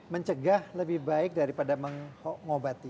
mencegah lebih baik daripada mengobati